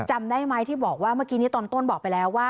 จำได้ไหมที่บอกว่าเมื่อกี้นี้ตอนต้นบอกไปแล้วว่า